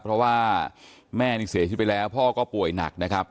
เพราะว่าแม่นี่เสียชีวิตไปแล้วพ่อก็ป่วยหนักนะครับ